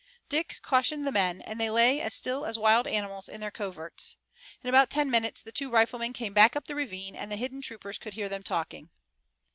Dick cautioned the men, and they lay as still as wild animals in their coverts. In about ten minutes the two riflemen came back up the ravine, and the hidden troopers could hear them talking.